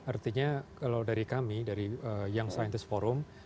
artinya kalau dari kami dari young scientist forum